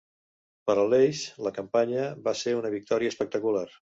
Per a l'Eix, la campanya va ser una victòria espectacular.